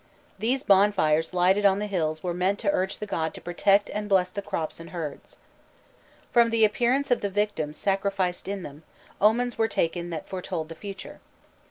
These bonfires lighted on the hills were meant to urge the god to protect and bless the crops and herds. From the appearance of the victims sacrificed in them, omens were taken that foretold the future.